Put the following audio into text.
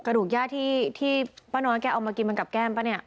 กระดูกย่าที่ป้าน้อยแกเอามากินมันกับแก้มปะเนี่ย